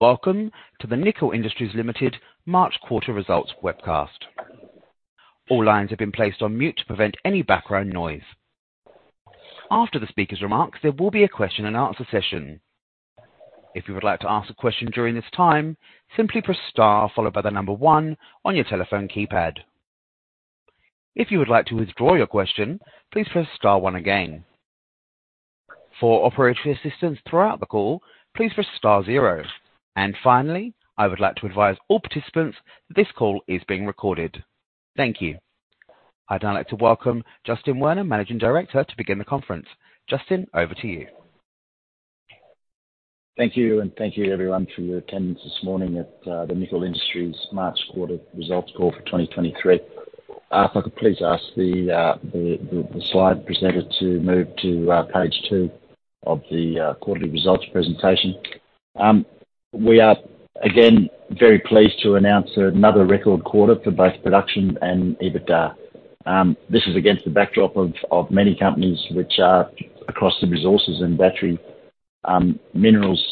Welcome to the Nickel Industries Limited March quarter results webcast. All lines have been placed on mute to prevent any background noise. After the speaker's remarks, there will be a question and answer session. If you would like to ask a question during this time, simply press star followed by the number one on your telephone keypad. If you would like to withdraw your question, please press star one again. For operative assistance throughout the call, please press star zero. Finally, I would like to advise all participants this call is being recorded. Thank you. I'd now like to welcome Justin Werner, managing director, to begin the conference. Justin, over to you. Thank you. Thank you everyone for your attendance this morning at the Nickel Industries March quarter results call for 2023. If I could please ask the slide presenter to move to page two of the quarterly results presentation. We are, again, very pleased to announce another record quarter for both production and EBITDA. This is against the backdrop of many companies which are across the resources and battery minerals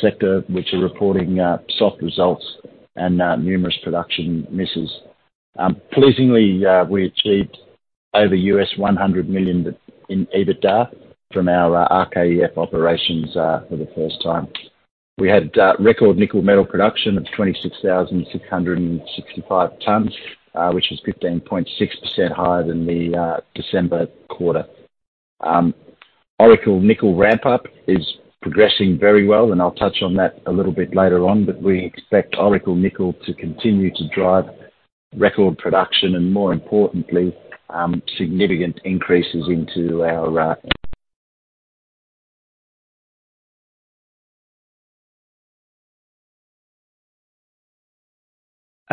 sector, which are reporting soft results and numerous production misses. Pleasingly, we achieved over $100 million in EBITDA from our RKEF operations for the first time. We had record nickel metal production of 26,665 tons, which is 15.6% higher than the December quarter. Oracle Nickel ramp-up is progressing very well and I'll touch on that a little bit later on, but we expect Oracle Nickel to continue to drive record production and more importantly, significant increases into our.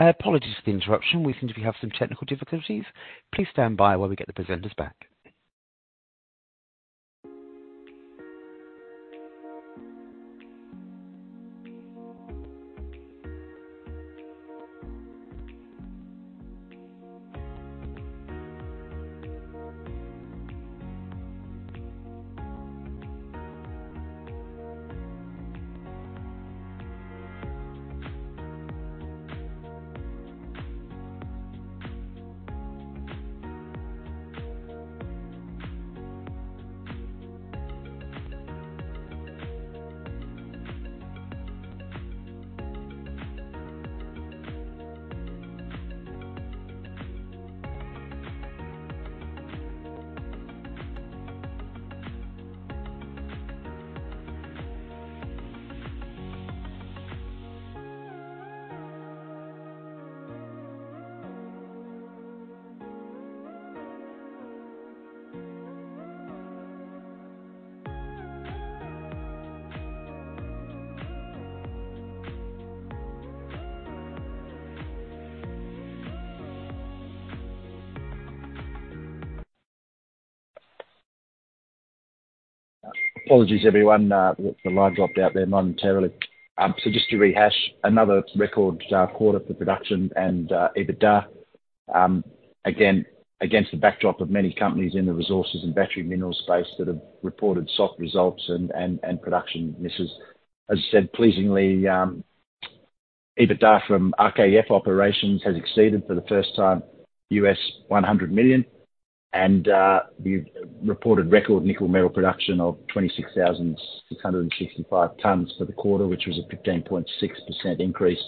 Apologies for the interruption. We seem to be having some technical difficulties. Please stand by while we get the presenters back. Apologies everyone, the line dropped out of there momentarily. Just to rehash another record quarter for production and EBITDA, again, against the backdrop of many companies in the resources and battery minerals space that have reported soft results and production misses. As I said, pleasingly, EBITDA from RKEF operations has exceeded for the first time, $100 million and the reported record nickel metal production of 26,665 tons for the quarter, which was a 15.6% increase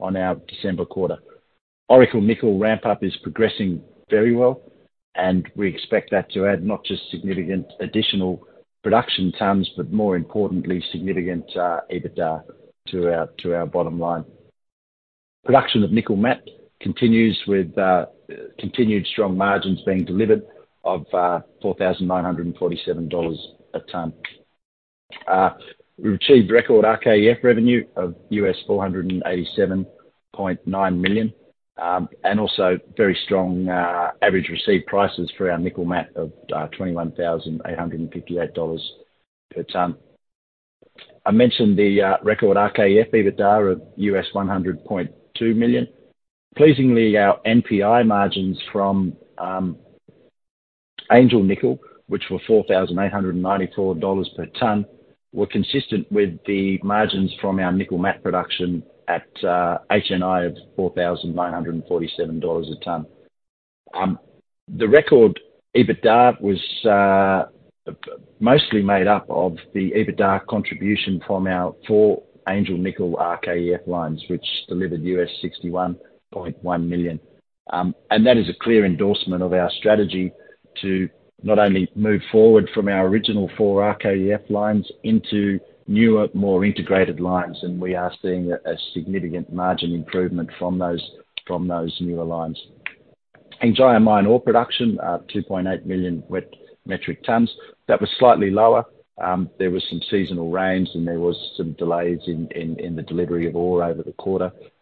on our December quarter. Oracle Nickel ramp-up is progressing very well and we expect that to add not just significant additional production tons, but more importantly, significant EBITDA to our bottom line. Production of nickel matte continues with continued strong margins being delivered of $4,947 a ton. We achieved record RKEF revenue of $487.9 million and also very strong average received prices for our nickel matte of $21,858 per ton. I mentioned the record RKEF EBITDA of US$100.2 million. Pleasingly, our NPI margins from Angel Nickel, which were $4,894 per ton, were consistent with the margins from our nickel matte production at HNI of $4,947 a ton. The record EBITDA was mostly made up of the EBITDA contribution from our four Angel Nickel RKEF lines, which delivered $61.1 million. That is a clear endorsement of our strategy to not only move forward from our original four RKEF lines into newer, more integrated lines, and we are seeing a significant margin improvement from those newer lines. Hengjaya Mine ore production, 2.8 million WMT. That was slightly lower. There was some seasonal rains and there was some delays in the delivery of ore over the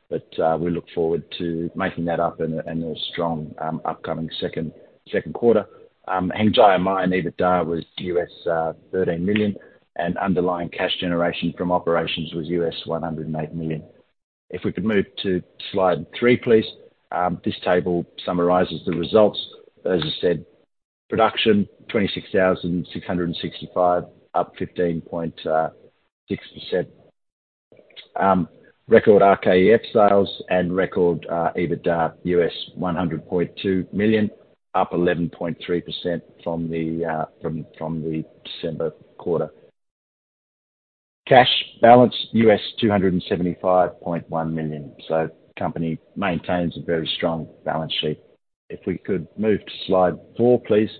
quarter. We look forward to making that up in a strong upcoming second quarter. Hengjaya Mine EBITDA was $13 million, and underlying cash generation from operations was $108 million. If we could move to slide three, please. This table summarizes the results. As I said, production 26,665, up 15.6%. Record RKEF sales and record EBITDA $100.2 million, up 11.3% from the December quarter. Cash balance $275.1 million. The company maintains a very strong balance sheet. If we could move to slide four, please.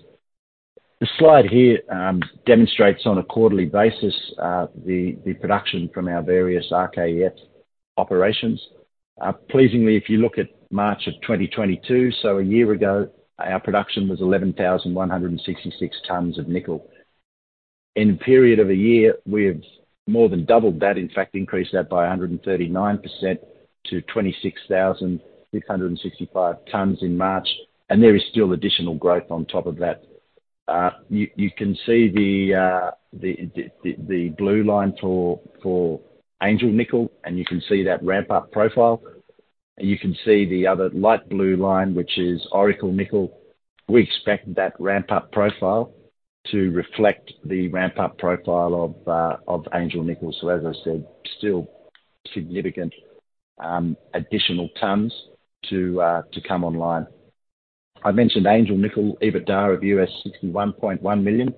The slide here demonstrates on a quarterly basis the production from our various RKEF operations. Pleasingly, if you look at March of 2022, so a year ago, our production was 11,166 tons of nickel. In a period of a year, we have more than doubled that, in fact, increased that by 139% to 26,665 tons in March. There is still additional growth on top of that. You can see the blue line for Angel Nickel, and you can see that ramp-up profile. You can see the other light blue line, which is Oracle Nickel. We expect that ramp-up profile to reflect the ramp-up profile of Angel Nickel. As I said, still significant additional tons to come online. I mentioned Angel Nickel, EBITDA of $61.1 million.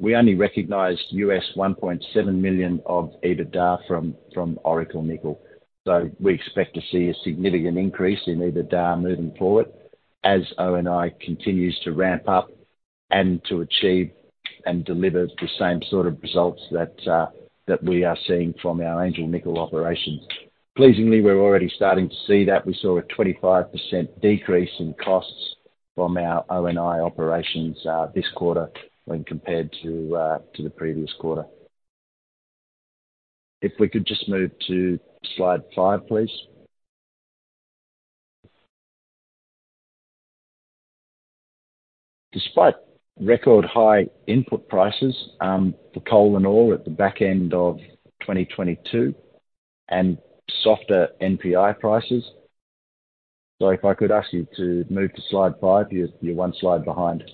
We only recognized $1.7 million of EBITDA from Oracle Nickel. We expect to see a significant increase in EBITDA moving forward as ONI continues to ramp up and to achieve and deliver the same sort of results that we are seeing from our Angel Nickel operations. Pleasingly, we're already starting to see that. We saw a 25% decrease in costs from our ONI operations this quarter when compared to the previous quarter. If we could just move to slide five, please. If I could ask you to move to slide five. You're one slide behind.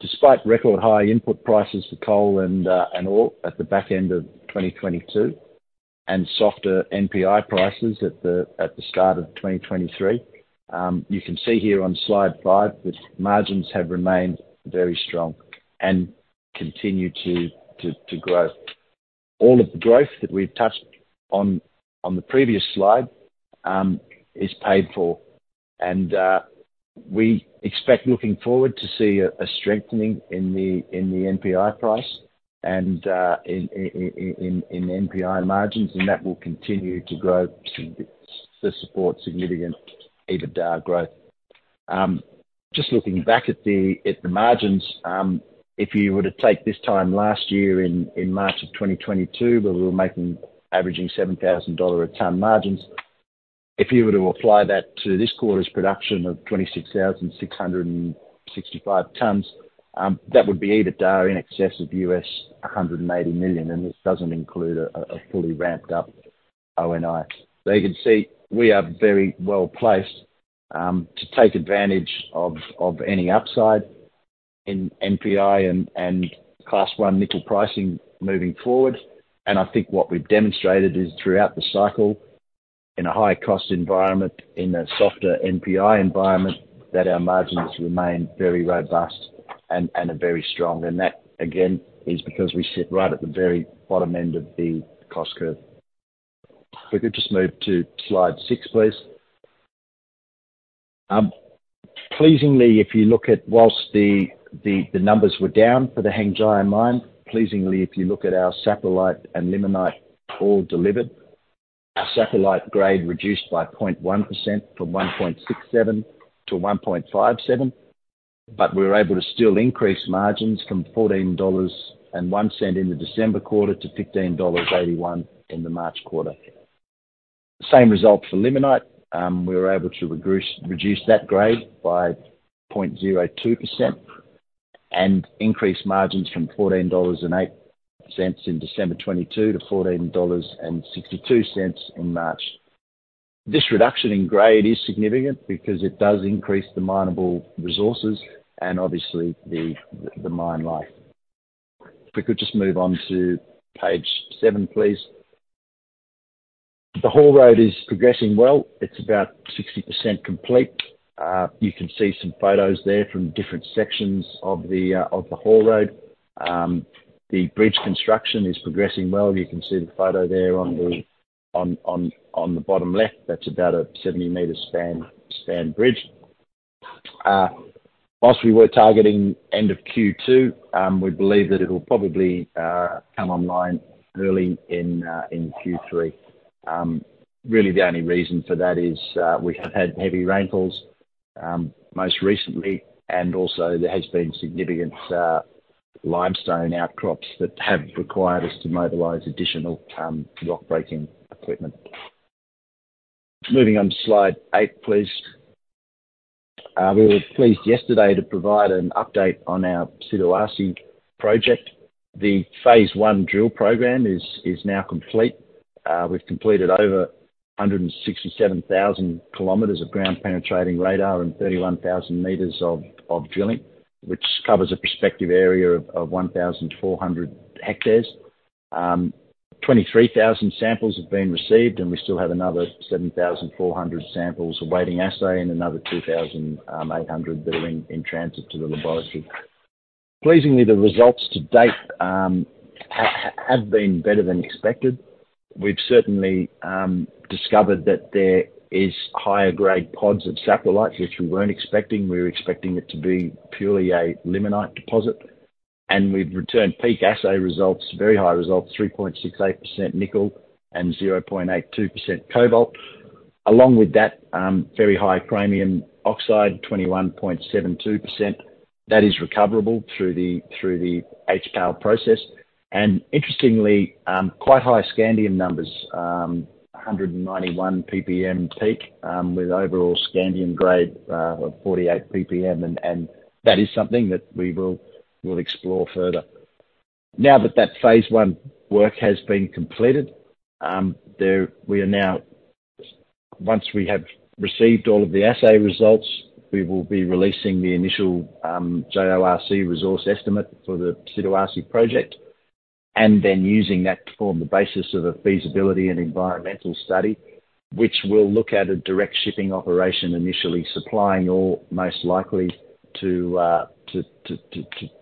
Despite record high input prices for coal and ore at the back end of 2022 and softer NPI prices at the start of 2023, you can see here on slide five that margins have remained very strong and continue to grow. All of the growth that we've touched on the previous slide, is paid for. We expect looking forward to see a strengthening in the NPI price and in NPI margins, and that will continue to grow to support significant EBITDA growth. Just looking back at the margins, if you were to take this time last year in March of 2022, where we were averaging $7,000 a ton margins, if you were to apply that to this quarter's production of 26,665 tons, that would be EBITDA in excess of $180 million, and this doesn't include a fully ramped up ONI. You can see, we are very well-placed to take advantage of any upside in NPI and Class I nickel pricing moving forward. I think what we've demonstrated is throughout the cycle in a high-cost environment, in a softer NPI environment, that our margins remain very robust and are very strong. That, again, is because we sit right at the very bottom end of the cost curve. If we could just move to slide six, please. Whilst the numbers were down for the Hengjaya Mine. Pleasingly, if you look at our saprolite and limonite ore delivered, our saprolite grade reduced by 0.1% from 1.67-1.57, but we were able to still increase margins from $14.01 in the December quarter to $15.81 in the March quarter. The same result for limonite. We were able to reduce that grade by 0.02% and increase margins from $14.08 in December 2022 to $14.62 in March. This reduction in grade is significant because it does increase the mineable resources and obviously the mine life. If we could just move on to page seven, please. The haul road is progressing well. It's about 60% complete. You can see some photos there from different sections of the haul road. The bridge construction is progressing well. You can see the photo there on the bottom left. That's about a 70-m span bridge. Whilst we were targeting end of Q2, we believe that it'll probably come online early in Q3. Really the only reason for that is, we have had heavy rainfalls, most recently, and also there has been significant limestone outcrops that have required us to mobilize additional rock-breaking equipment. Moving on to slide eight, please. We were pleased yesterday to provide an update on our Siduarsi Project. The Phase 1 drill program is now complete. We've completed over 167,000 km of ground-penetrating radar and 31,000 m of drilling, which covers a prospective area of 1,400 hectares. 23,000 samples have been received, and we still have another 7,400 samples awaiting assay and another 2,800 that are in transit to the laboratory. Pleasingly, the results to date have been better than expected. We've certainly discovered that there is higher grade pods of saprolite, which we weren't expecting. We were expecting it to be purely a limonite deposit. We've returned peak assay results, very high results, 3.68% nickel and 0.82% cobalt. Along with that, very high chromium oxide, 21.72%. That is recoverable through the HPAL process. Interestingly, quite high scandium numbers. 191 ppm peak, with overall scandium grade of 48 ppm. That is something that we will explore further. Now that that Phase 1 work has been completed, we are no. Once we have received all of the assay results, we will be releasing the initial JORC resource estimate for the Siduarsi Project, and then using that to form the basis of a feasibility and environmental study, which will look at a direct shipping operation initially supplying ore most likely to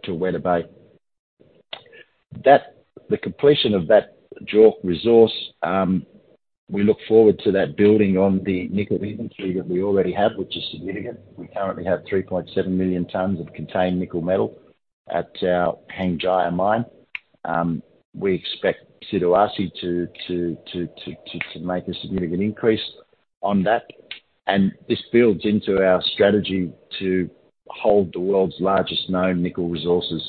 Weda Bay. The completion of that JORC resource, we look forward to that building on the nickel inventory that we already have, which is significant. We currently have 3.7 million tons of contained nickel metal at Hengjaya Mine. We expect Siduarsi to make a significant increase on that. This builds into our strategy to hold the world's largest known nickel resources.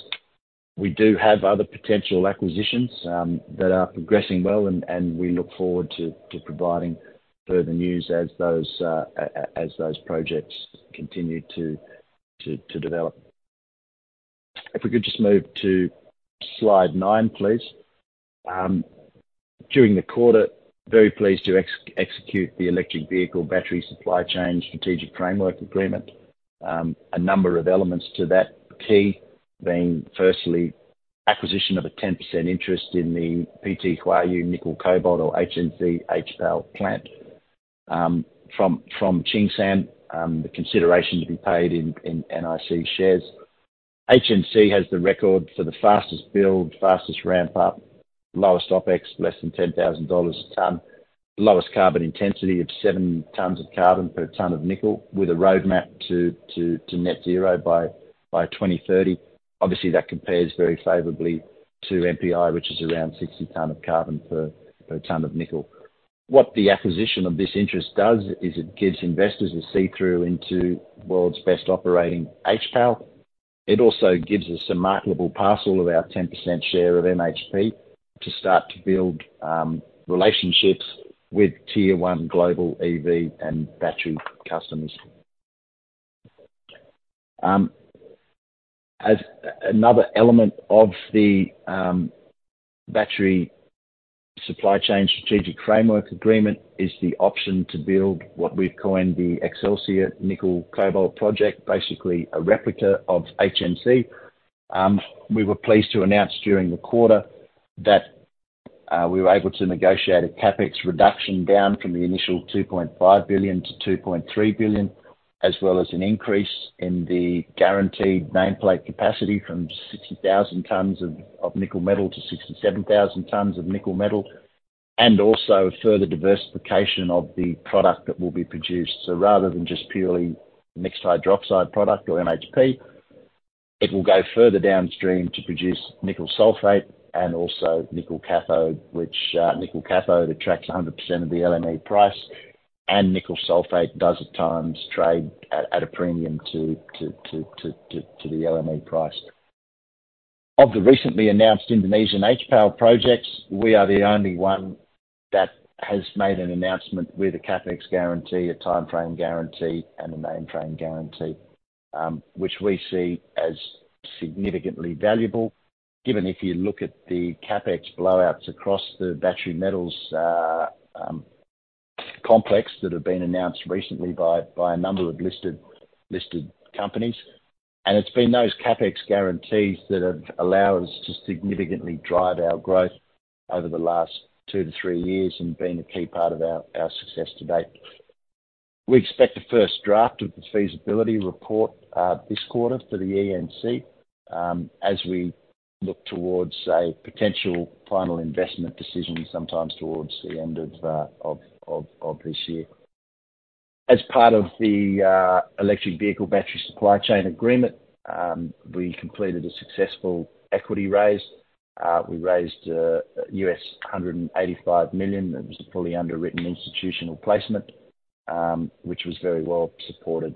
We do have other potential acquisitions that are progressing well, and we look forward to providing further news as those projects continue to develop. If we could just move to slide nine, please. During the quarter, very pleased to execute the electric vehicle battery supply chain strategic framework agreement. A number of elements to that. The key being, firstly, acquisition of a 10% interest in the PT Huayue Nickel Cobalt or HNC HPAL plant from Tsingshan. The consideration to be paid in NIC shares. HNC has the record for the fastest build, fastest ramp up, lowest OpEx, less than $10,000 a ton, lowest carbon intensity of 7 tons of carbon per ton of nickel with a roadmap to net zero by 2030. Obviously, that compares very favorably to NPI, which is around 60 tons of carbon per ton of nickel. What the acquisition of this interest does is it gives investors a see-through into the world's best operating HPAL. It also gives us a marketable parcel of our 10% share of MHP to start to build relationships with tier one global EV and battery customers. Another element of the battery supply chain strategic framework agreement is the option to build what we've coined the Excelsior Nickel Cobalt project, basically a replica of HNC. We were pleased to announce during the quarter that we were able to negotiate a CapEx reduction down from the initial $2.5 billion-$2.3 billion, as well as an increase in the guaranteed nameplate capacity from 60,000 tons of nickel metal to 67,000 tons of nickel metal, also further diversification of the product that will be produced. Rather than just purely Mixed Hydroxide Product or MHP, it will go further downstream to produce nickel sulphate and also nickel cathode, which nickel cathode attracts 100% of the LME price, and nickel sulphate does at times trade at a premium to the LME price. Of the recently announced Indonesian HPAL projects, we are the only one that has made an announcement with a CapEx guarantee, a timeframe guarantee, and a nameplate guarantee, which we see as significantly valuable, given if you look at the CapEx blowouts across the battery metals complex that have been announced recently by a number of listed companies. It's been those CapEx guarantees that have allowed us to significantly drive our growth over the last 2 years-3 years and been a key part of our success to date. We expect the first draft of the feasibility report this quarter for the ENC, as we look towards a potential final investment decision sometimes towards the end of this year. As part of the electric vehicle battery supply chain agreement, we completed a successful equity raise. We raised $185 million. That was a fully underwritten institutional placement, which was very well supported.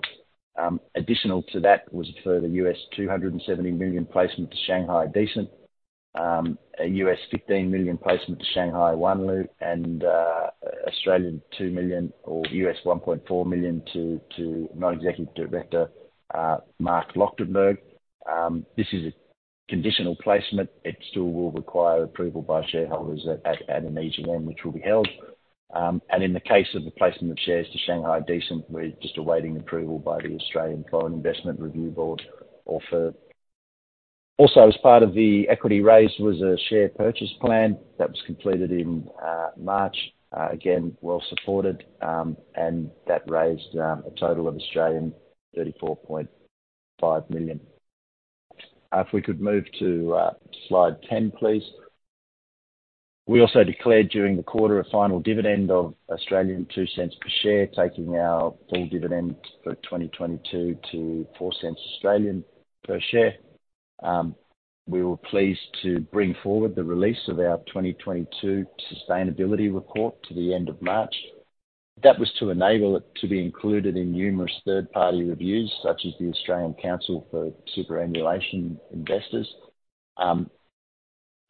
Additional to that was a further $270 million placement to Shanghai Decent. A $15 million placement to Shanghai Wanlu Investment and 2 million or $1.4 million to Non-Executive Director Mark Lochtenberg. This is a conditional placement. It still will require approval by shareholders at an EGM, which will be held. In the case of the placement of shares to Shanghai Decent, we're just awaiting approval by the Australian Foreign Investment Review Board. Also, as part of the equity raise was a share purchase plan that was completed in March. Again, well-supported, that raised a total of 34.5 million. If we could move to slide 10, please. We also declared during the quarter a final dividend of 0.02 per share, taking our full dividend for 2022 to 0.04 per share. We were pleased to bring forward the release of our 2022 sustainability report to the end of March. That was to enable it to be included in numerous third-party reviews, such as the Australian Council of Superannuation Investors.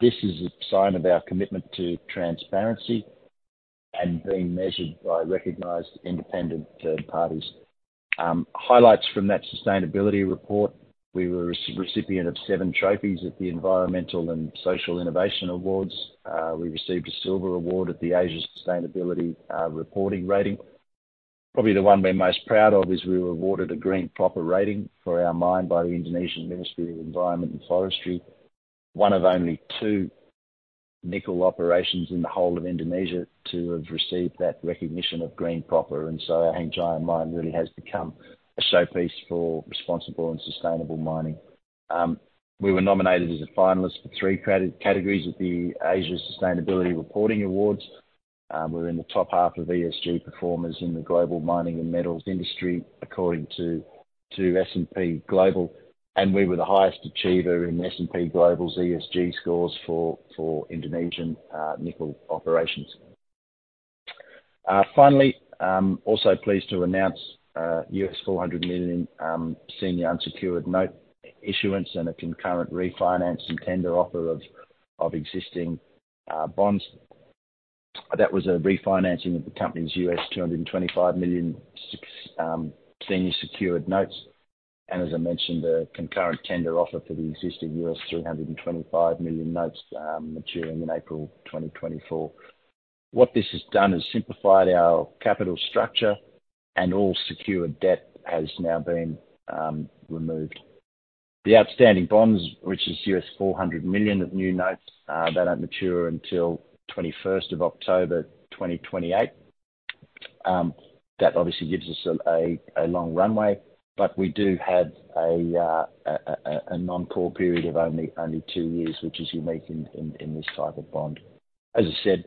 This is a sign of our commitment to transparency and being measured by recognized independent third parties. Highlights from that sustainability report, we were re-recipient of seven trophies at the Environmental and Social Innovation Awards. We received a silver award at the Asia Sustainability Reporting Rating. Probably the one we're most proud of is we were awarded a Green PROPER rating for our mine by the Indonesian Ministry of Environment and Forestry, one of only two nickel operations in the whole of Indonesia to have received that recognition of Green PROPER. I think Hengjaya Mine really has become a showpiece for responsible and sustainable mining. We were nominated as a finalist for three credit categories at the Asia Sustainability Reporting Awards. We're in the top half of ESG performers in the global mining and metals industry, according to S&P Global. We were the highest achiever in S&P Global's ESG scores for Indonesian nickel operations. Finally, I'm also pleased to announce $400 million senior unsecured note issuance and a concurrent refinance and tender offer of existing bonds. That was a refinancing of the company's $225 million senior secured notes. As I mentioned, a concurrent tender offer for the existing $325 million notes, maturing in April 2024. What this has done is simplified our capital structure and all secured debt has now been removed. The outstanding bonds, which is $400 million of new notes, they don't mature until 21st of October 2028. That obviously gives us a long runway, but we do have a non-core period of only two years, which is unique in this type of bond. As I said,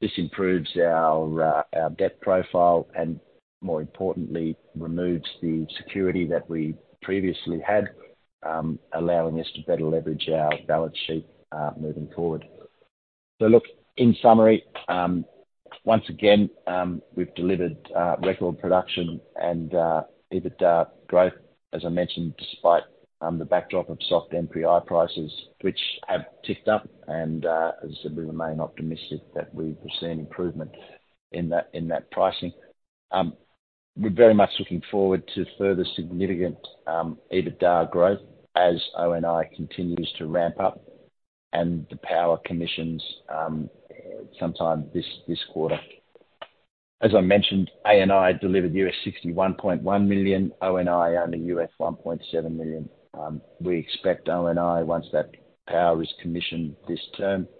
this improves our debt profile and more importantly, removes the security that we previously had, allowing us to better leverage our balance sheet moving forward. In summary, once again, we've delivered record production and EBITDA growth, as I mentioned, despite the backdrop of soft NPI prices, which have ticked up. As I said, we remain optimistic that we've seen improvement in that pricing. We're very much looking forward to further significant EBITDA growth as ONI continues to ramp up and the power commissions sometime this quarter. As I mentioned, ANI delivered $61.1 million, ONI earned $1.7 million. We expect ONI, once that power is commissioned this term, to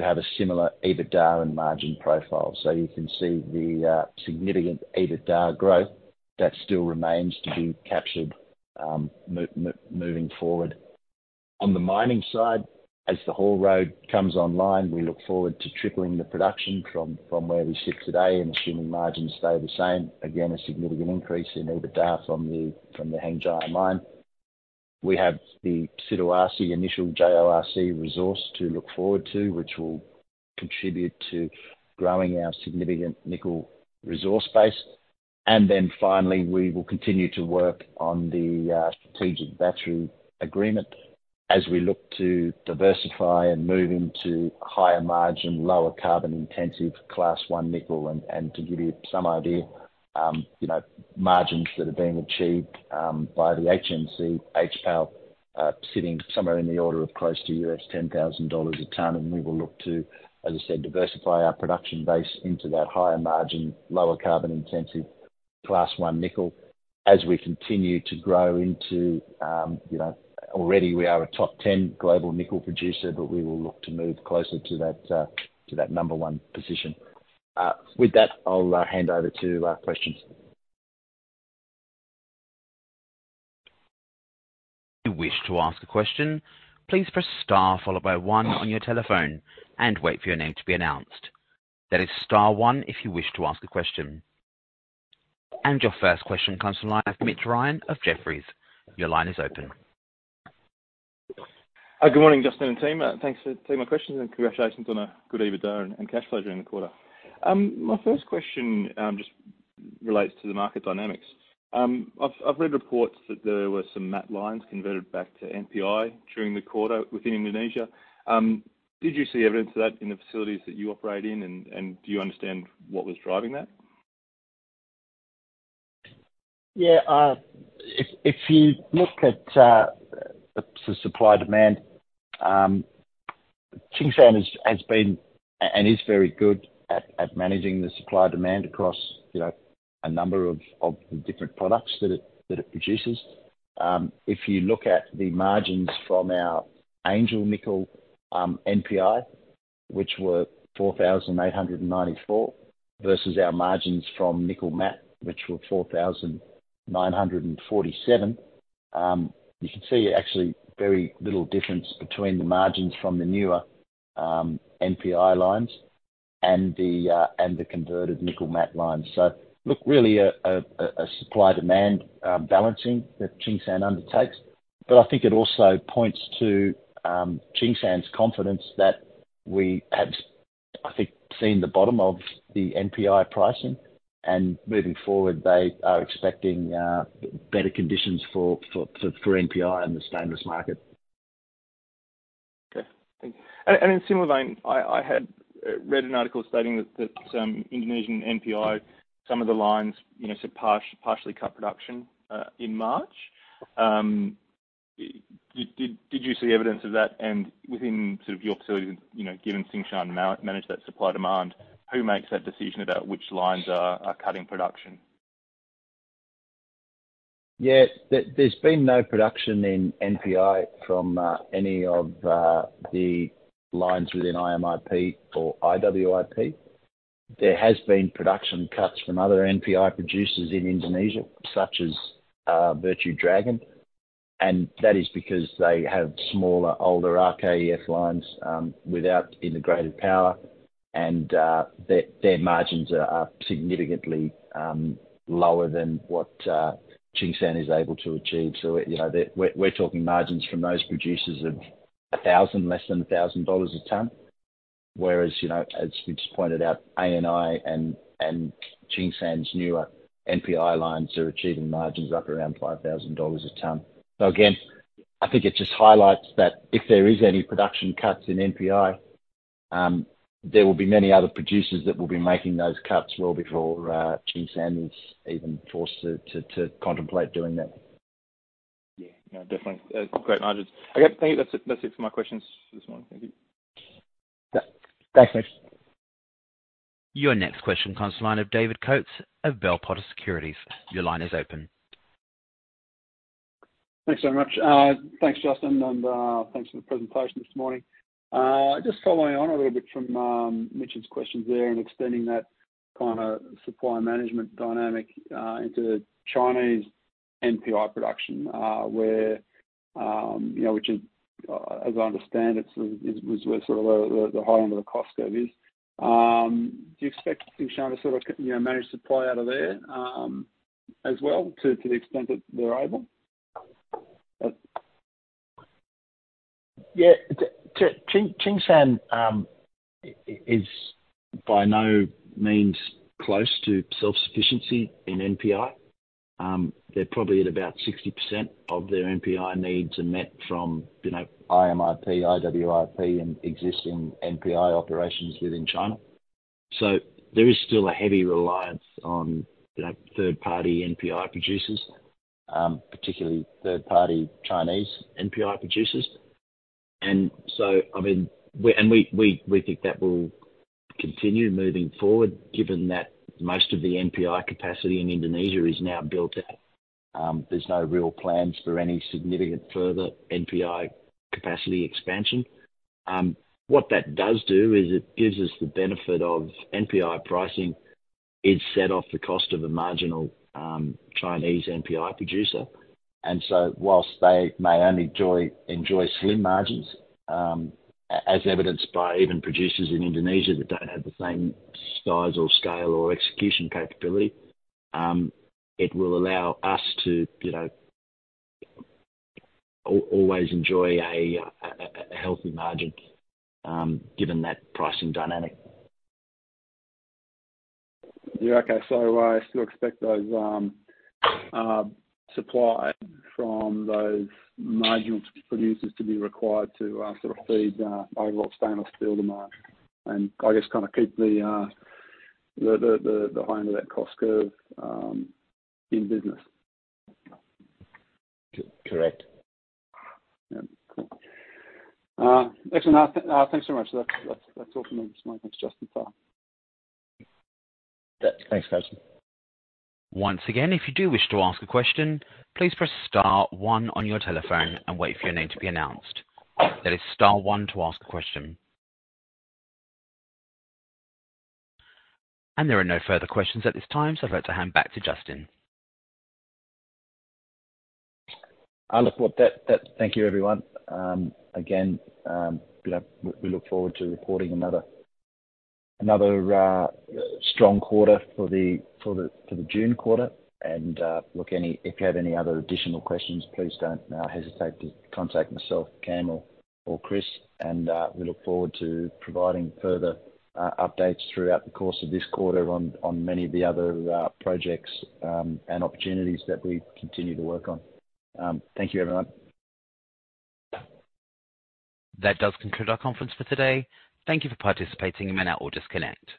have a similar EBITDA and margin profile. You can see the significant EBITDA growth that still remains to be captured moving forward. On the mining side, as the haul road comes online, we look forward to tripling the production from where we sit today and assuming margins stay the same. Again, a significant increase in EBITDA from the Hengjaya Mine. We have the Siduarsi initial JORC resource to look forward to, which will contribute to growing our significant nickel resource base. Finally, we will continue to work on the strategic battery agreement as we look to diversify and move into higher margin, lower carbon intensive Class I nickel. To give you some idea, you know, margins that are being achieved by the HNC HPAL, sitting somewhere in the order of close to $10,000 a ton. We will look to, as I said, diversify our production base into that higher margin, lower carbon intensive Class I nickel as we continue to grow into, you know, already we are a Top 10 Global Nickel Producer. We will look to move closer to that number one position. With that, I'll hand over to questions. If you wish to ask a question, please press star followed by one on your telephone and wait for your name to be announced. That is star one if you wish to ask a question. Your first question comes from Mitch Ryan of Jefferies. Your line is open. Good morning, Justin and team. Thanks for taking my questions and congratulations on a good EBITDA and cash flow during the quarter. My first question. Relates to the market dynamics. I've read reports that there were some matte lines converted back to NPI during the quarter within Indonesia. Did you see evidence of that in the facilities that you operate in and do you understand what was driving that? Yeah. If you look at the supply demand, Tsingshan has been and is very good at managing the supply demand across, you know, a number of different products that it produces. If you look at the margins from our Angel Nickel NPI, which were $4,894 versus our margins from nickel matte, which were $4,947, you can see actually very little difference between the margins from the newer NPI lines and the converted nickel matte lines. Look, really a supply demand balancing that Tsingshan undertakes. I think it also points to Tsingshan's confidence that we have seen the bottom of the NPI pricing. Moving forward, they are expecting better conditions for NPI and the stainless market. Okay. In similar vein, I had read an article stating that some Indonesian NPI, some of the lines, you know, partially cut production in March. Did you see evidence of that? Within sort of your facilities and, you know, given Tsingshan manage that supply demand, who makes that decision about which lines are cutting production? Yeah. There's been no production in NPI from any of the lines within IMIP or IWIP. There has been production cuts from other NPI producers in Indonesia, such as Virtue Dragon, and that is because they have smaller, older RKEF lines without integrated power and their margins are significantly lower than what Tsingshan is able to achieve. you know, We're talking margins from those producers of $1,000, less than $1,000 a ton. Whereas, you know, as we just pointed out, ANI and Tsingshan's newer NPI lines are achieving margins up around $5,000 a ton. Again, I think it just highlights that if there is any production cuts in NPI, there will be many other producers that will be making those cuts well before Tsingshan is even forced to contemplate doing that. No, definitely. Great margins. Okay. Thank you. That's it for my questions for this morning. Thank you. Yeah. Thanks, Mitch. Your next question comes to line of David Coates of Bell Potter Securities. Your line is open. Thanks so much. Thanks, Justin. Thanks for the presentation this morning. Just following on a little bit from Mitch's questions there and extending that kind of supply management dynamic into Chinese NPI production, where, you know, which is, as I understand it, where the high end of the cost curve is. Do you expect Tsingshan to sort of, you know, manage supply out of there, as well to the extent that they're able? Yeah. Tsingshan is by no means close to self-sufficiency in NPI. They're probably at about 60% of their NPI needs are met from, you know, IMIP, IWIP, and existing NPI operations within China. There is still a heavy reliance on, you know, third-party NPI producers, particularly third-party Chinese NPI producers. I mean, we think that will continue moving forward given that most of the NPI capacity in Indonesia is now built out. There's no real plans for any significant further NPI capacity expansion. What that does do is it gives us the benefit of NPI pricing is set off the cost of a marginal Chinese NPI producer. whilst they may only enjoy slim margins, as evidenced by even producers in Indonesia that don't have the same size or scale or execution capability, it will allow us to, you know, always enjoy a, a healthy margin, given that pricing dynamic. Yeah. Okay. I still expect those supply from those marginal producers to be required to sort of feed overall stainless steel demand, and I guess kind of keep the high end of that cost curve in business. Correct. Yeah. Cool. Excellent. Thanks so much. That's all from me this morning. Thanks, Justin. Thanks. Thanks, David. Once again, if you do wish to ask a question, please press star one on your telephone and wait for your name to be announced. That is star one to ask a question. There are no further questions at this time, so I'd like to hand back to Justin. Thank you, everyone. again, we look forward to reporting another strong quarter for the June quarter. Look, if you have any other additional questions, please don't hesitate to contact myself, Cam or Chris. We look forward to providing further updates throughout the course of this quarter on many of the other projects and opportunities that we continue to work on. Thank you, everyone. That does conclude our conference for today. Thank you for participating. You may now all disconnect.